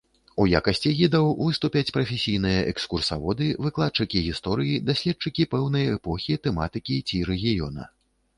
У якасці гідаў выступяць прафесійныя экскурсаводы, выкладчыкі гісторыі, даследчыкі пэўнай эпохі, тэматыкі ці рэгіёна.